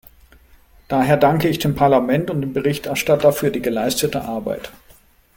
Daher danke ich dem Parlament und dem Berichterstatter für die geleistete Arbeit.